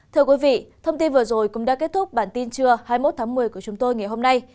thưa quý vị thông tin vừa rồi cũng đã kết thúc bản tin trưa hai mươi một tháng một mươi của chúng tôi ngày hôm nay